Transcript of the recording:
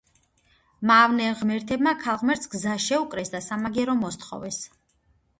მავნე ღმერთებმა ქალღმერთს გზა შეუკრეს და სამაგიერო მოსთხოვეს.